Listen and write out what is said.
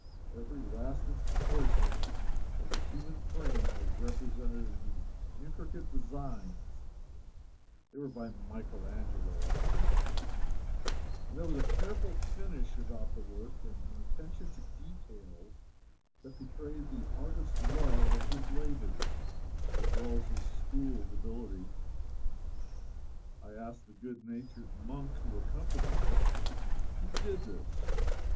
Every lasting portion of the human frame was represented in these intricate designs (they were by Michael Angelo, I think,) and there was a careful finish about the work, and an attention to details that betrayed the artist's love of his labors as well as his schooled ability. I asked the good natured monk who accompanied us, who did this?